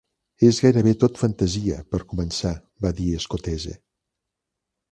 "És gairebé tot fantasia, per començar", va dir Scotese.